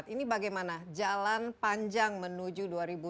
ini bagaimana jalan panjang menuju dua ribu dua puluh